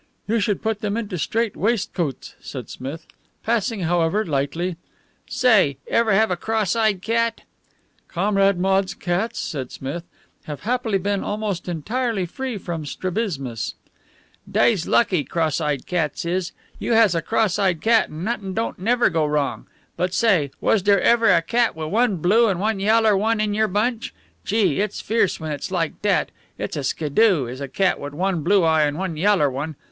"You should put them into strait waistcoats," said Smith. "Passing, however, lightly " "Say, ever have a cross eyed cat?" "Comrade Maude's cats," said Smith, "have happily been almost entirely free from strabismus." "Dey's lucky, cross eyed cats is. You has a cross eyed cat, and not'in' don't never go wrong. But, say, was dere ever a cat wit' one blue and one yaller one in your bunch? Gee! it's fierce when it's like dat. It's a skidoo, is a cat wit' one blue eye and one yaller one.